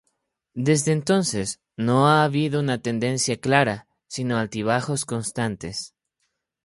Desde entonces no ha habido una tendencia clara sino altibajos constantes.